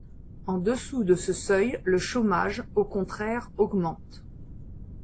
En dessous de ce seuil, le chômage, au contraire, augmente.